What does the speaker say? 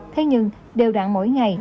thế nhưng đều đặn mỗi ngày